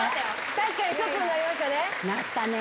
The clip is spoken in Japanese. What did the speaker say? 確かに一つになりましたね。